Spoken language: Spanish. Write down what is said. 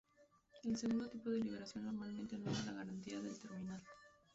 El segundo tipo de liberación normalmente anula la garantía del terminal.